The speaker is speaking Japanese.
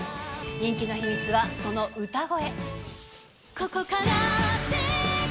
人気の秘密はその歌声。